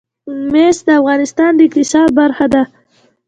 مس د افغانستان د اقتصاد برخه ده.